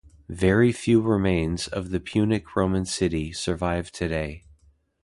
Very few remains of the Punic-Roman city survive today.